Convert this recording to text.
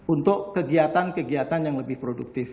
untuk kegiatan kegiatan yang lebih produktif